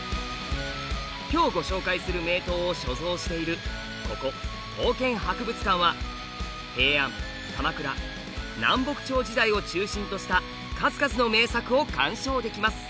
今日ご紹介する名刀を所蔵しているここ刀剣博物館は平安・鎌倉・南北朝時代を中心とした数々の名作を鑑賞できます。